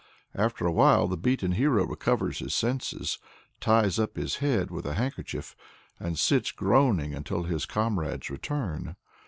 After a time the beaten hero recovers his senses, "ties up his head with a handkerchief," and sits groaning until his comrades return.